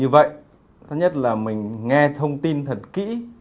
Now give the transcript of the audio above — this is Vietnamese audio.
như vậy thứ nhất là mình nghe thông tin thật kỹ